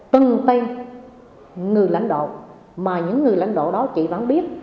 những từng tên người lãnh đạo mà những người lãnh đạo đó chỉ vắng biết